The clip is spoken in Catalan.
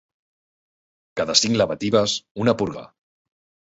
Cada cinc lavatives, una purga.